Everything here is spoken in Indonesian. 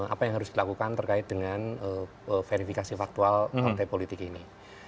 apa yang harus dilakukan terkait dengan verifikasi faktual partai politik ini